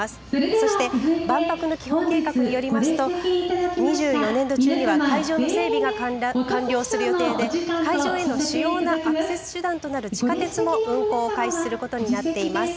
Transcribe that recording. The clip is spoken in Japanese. そして万博の基本計画によりますと２４年度中には会場整備が完了する予定で会場への主要なアクセス手段となる地下鉄も運行を開始することになっています。